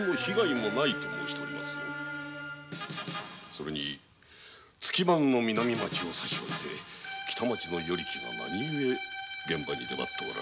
それに月番の南町をさしおいて北町の与力が何ゆえ現場に出張っておられた？